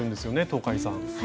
東海さん。